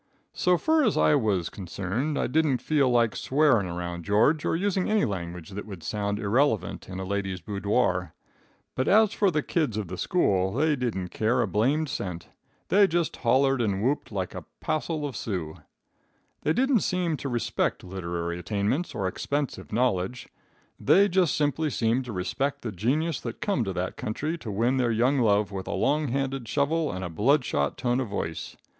"So fur as I was concerned, I didn't feel like swearing around George or using any language that would sound irrelevant in a ladies' boodore; but as for the kids of the school, they didn't care a blamed cent. They just hollered and whooped like a passle of Sioux. "They didn't seem to respect literary attainments or expensive knowledge. They just simply seemed to respect the genius that come to that country to win their young love with a long handled shovel and a blood shot tone of voice.